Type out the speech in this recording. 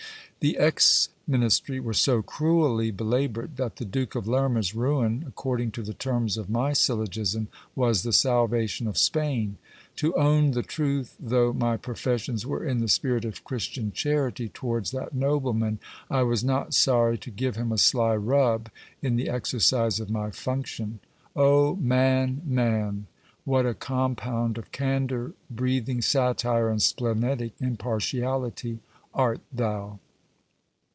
The ex ministry were so cruelly belaboured, that the Duke of Lerma's ruin, ac cording to the terms of my syllogism, was the salvation of Spain. To own the truth, though my professions were in the spirit of Christian charity towards that nobleman, I was not sorry to give him a sly rub in the exercise of my function. Ch man ! man ! what a compound of candour breathing satire and splenetic impartiality art thou